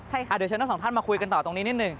เดี๋ยวเชิญทั้งสองท่านมาคุยกันต่อตรงนี้นิดหนึ่ง